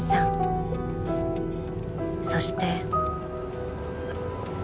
［そして］